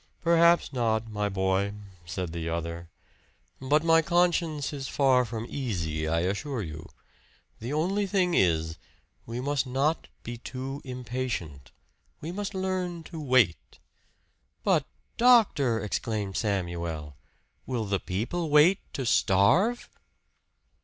"Perhaps not, my boy," said the other. "But my conscience is far from easy, I assure you. The only thing is, we must not be too impatient we must learn to wait " "But, doctor!" exclaimed Samuel. "Will the people wait to starve?"